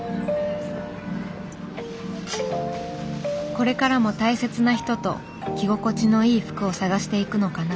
これからも大切な人と着心地のいい服を探していくのかな。